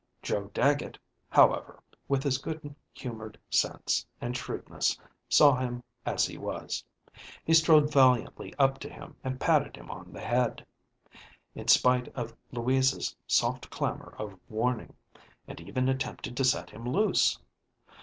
Joe Dagget, however, with his good humored sense and shrewdness, saw him as he was. He strode valiantly up to him and patted him on the bead, in spite of Louisa's soft clamor of warning, and even attempted to set him loose.